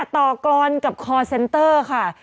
กรอนกับคอร์เซนเตอร์ค่ะ